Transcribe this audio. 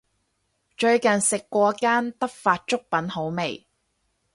最近食過間德發粥品好味